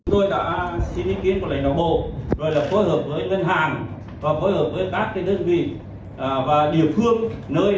tôi đã xin ý kiến của lệnh đồng bộ rồi là phối hợp với ngân hàng